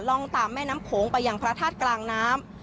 ร่องตามแม่น้ำโขงไปยังพระธาตุกลางน้ำ